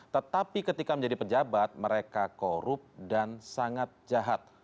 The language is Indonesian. tetapi ketika menjadi pejabat mereka korup dan sangat jahat